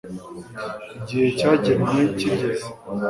igihe cyagenwe kigeze